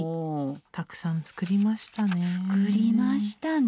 たくさん作りましたね。